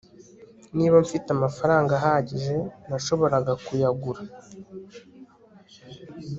niba mfite amafaranga ahagije, nashoboraga kuyagura